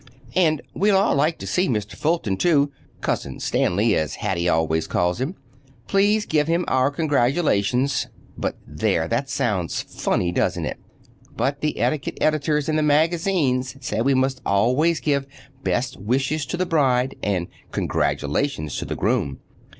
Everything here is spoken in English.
And we'd all like to see Mr. Fulton, too—"Cousin Stanley," as Hattie always calls him. Please give him our congratulations—but there, that sounds funny, doesn't it? (But the etiquette editors in the magazines say we must always give best wishes to the bride and congratulations to the groom.)